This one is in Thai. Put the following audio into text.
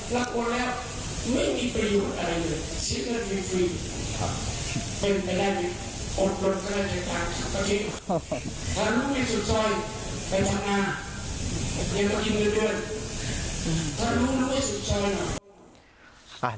ถ้าลุงไม่สุดช้อยแล้วโอน